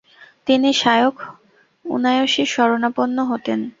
তিনি শায়খ উনায়সির স্মরণাপন্ন হতেন।